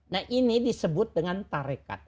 nah ini disebut dengan tarekat